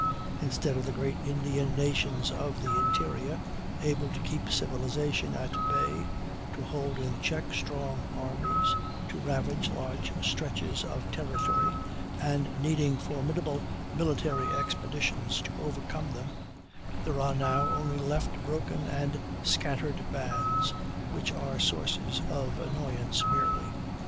Instead of the great Indian nations of the interior, able to keep civilization at bay, to hold in check strong armies, to ravage large stretches of territory, and needing formidable military expeditions to overcome them, there are now only left broken and scattered bands, which are sources of annoyance merely.